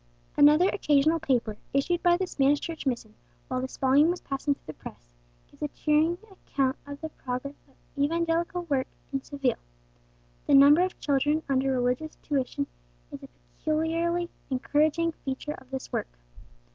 Another Occasional Paper, issued by the Spanish Church Mission whilst this volume was passing through the press, gives a cheering account of the progress of evangelical work in Seville. The number of children under religious tuition is a peculiarly encouraging feature of this work.